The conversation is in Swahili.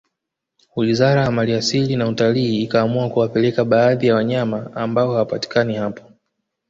wizara ya mali asili na utalii ikaamua kuwapeleka baadhi ya wanyama ambao hawapatikani hapo